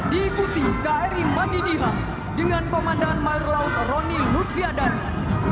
diikuti kri mandidiha dengan komandan mayor laut roni nutviadana